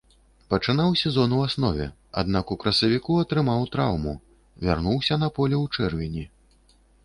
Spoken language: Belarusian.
Пачынаў сезон у аснове, аднак у красавіку атрымаў траўму, вярнуўся на поле ў чэрвені.